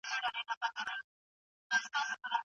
مذهبي لږکي بهر ته د سفر ازادي نه لري.